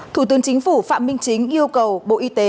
thủ tướng chính phủ phạm minh chính yêu cầu bộ y tế